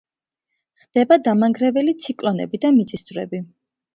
ხდება დამანგრეველი ციკლონები და მიწისძვრები.